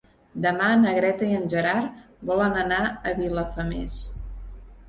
Demà na Greta i en Gerard volen anar a Vilafamés.